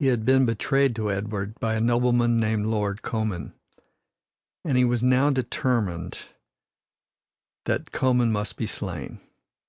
He had been betrayed to Edward by a nobleman called Lord Comyn, and he now determined that Comyn must be slain.